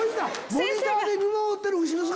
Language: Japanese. モニターで見守ってる後ろ姿